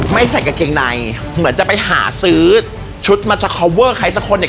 ไม่ใส่กากเกงในเหมือนจะไปหาซื้อชุดมาชะเข้าเมื่อใครสักคนนึง